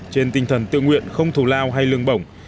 trên tinh thần tự nguyện không thù lao hay lương bổng